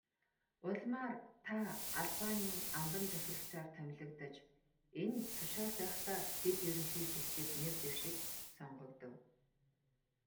Улмаар та Албанийн амбан захирагчаар томилогдож, энэ тушаалд байхдаа дэд ерөнхийлөгчид нэр дэвшиж, сонгогдов.